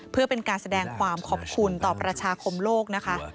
เพื่อเป็นการแสดงความขอบคุณต่อประชาคมโลกนะคะ